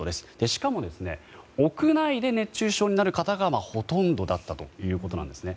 しかも、屋内で熱中症になる方がほとんどだったということなんですね。